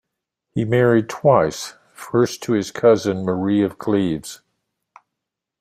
He married twice, first to his cousin, Marie of Cleves.